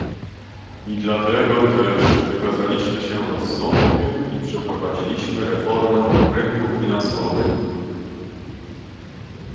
I dlatego też wykazaliśmy się rozsądkiem i przeprowadziliśmy reformę rynków finansowych